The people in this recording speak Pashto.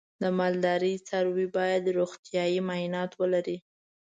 د مالدارۍ څاروی باید روغتیايي معاینات ولري.